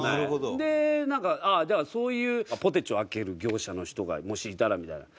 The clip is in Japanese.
でなんかじゃあそういうポテチを開ける業者の人がもしいたらみたいな。